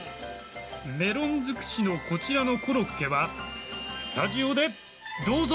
メロンづくしのこちらのコロッケはスタジオでどうぞ！